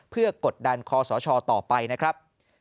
เพื่อกดดันคอสชต่อไปนะครับ